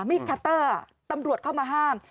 คัตเตอร์ตำรวจเข้ามาห้าม